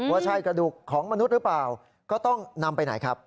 ว่าใช่กระดูกของมนุษย์หรือเปล่าก็ต้องนำไปไหนครับ